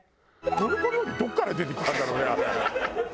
トルコ料理どこから出てきたんだろうねあれ。